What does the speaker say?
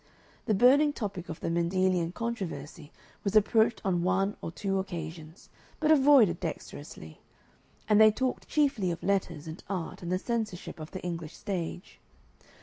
The burning topic of the Mendelian controversy was approached on one or two occasions, but avoided dexterously; and they talked chiefly of letters and art and the censorship of the English stage.